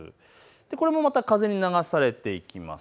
これもまた風に流されていきます。